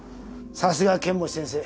さすが剣持先生。